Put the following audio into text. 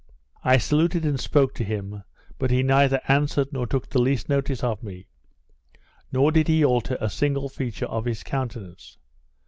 I saluted and spoke to him; but he neither answered, nor took the least notice of me; nor did he alter a single feature in his countenance.